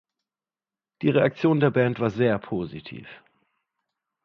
Die Reaktion der Band war sehr positiv.